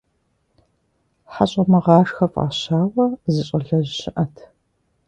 ХьэщӀэмыгъашхэ фӀащауэ, зы щӀалэжь щыӀэт.